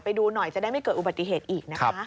ไปดูหน่อยจะได้ไม่เกิดอุบัติเหตุอีกนะคะ